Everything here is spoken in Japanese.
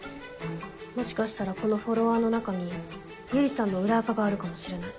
もしかしたらこのフォロワーの中に結衣さんの裏アカがあるかもしれない。